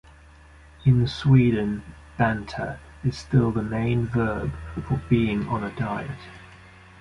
In Sweden "banta" is still the main verb for "being on a diet".